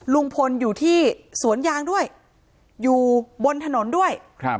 ลุงพลอยู่ที่สวนยางด้วยอยู่บนถนนด้วยครับ